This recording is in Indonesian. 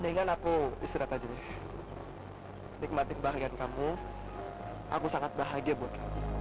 dengan aku istirahat aja nih nikmatin bahagian kamu aku sangat bahagia buat